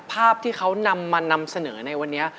ภาพที่เขานำมานำเสนอในวันนี้